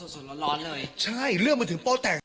สดร้อนเลยใช่เรื่องมันถึงโปรแตก